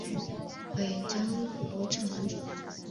尾张国城主。